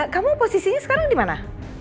kamu posisinya sekarang di mana